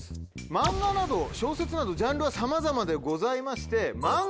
漫画など小説などジャンルはさまざまでございまして。